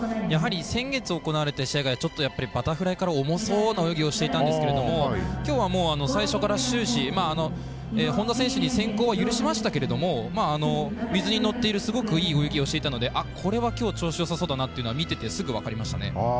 先月行われた試合がバタフライから重そうな泳ぎをしていたんですけどもきょうは最初から終始本多選手に先行は許しましたけど水に乗っている、すごくいい泳ぎをしていたのでこれは、きょう調子よさそうだなというのは見ててすぐ分かりましたね。